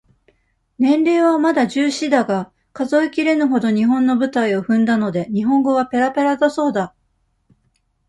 年齢はまだ十四だが、数えきれぬほど、日本の舞台を踏んだので、日本語はぺらぺらだそうだ。